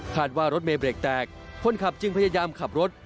ว่ารถเมย์เบรกแตกคนขับจึงพยายามขับรถ